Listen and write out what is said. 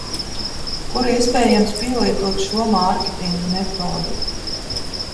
Kur iespējams pielietot šo mārketinga metodi?